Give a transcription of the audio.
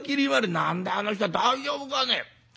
「何だあの人大丈夫かね？」。